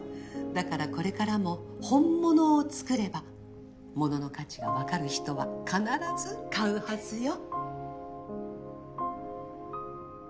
だからこれからも本物を作れば物の価値が分かる人は必ず買うはずよ。